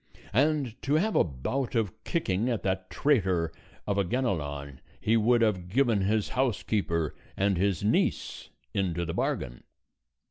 And to have a bout of kicking at that traitor of a Ganelon he would have given his housekeeper, and his niece into the bargain.